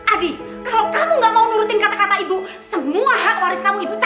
adi kalau kamu gak mau nurutin kata kata ibu semua hak waris kamu ibu